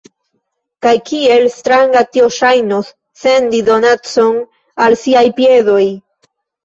Kaj kiel stranga tio ŝajnos, sendi donacon al siaj piedoj!